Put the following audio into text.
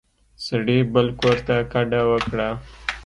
سړي بل کور ته کډه وکړه.